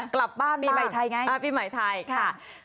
กลับบ้านปีใหม่ไทยไงปีใหม่ไทยค่ะ